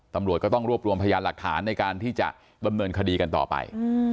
ตำรวจก็ต้องรวบรวมพยานหลักฐานในการที่จะดำเนินคดีกันต่อไป